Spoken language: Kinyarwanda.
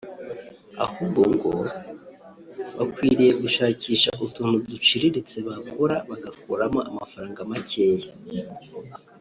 ahubwo ngo bakwiriye gushakisha utuntu duciriritse bakora bagakuramo amafaranga makeya